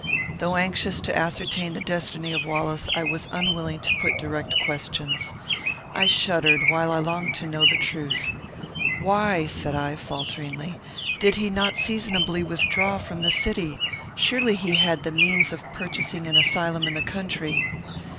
Though anxious to ascertain the destiny of Wallace, I was unwilling to put direct questions. I shuddered, while I longed to know the truth. "Why," said I, falteringly, "did he not seasonably withdraw from the city? Surely he had the means of purchasing an asylum in the country."